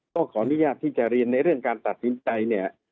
ต้องขออนุญาตที่จะเรียนในเรื่องการตัดสินใจ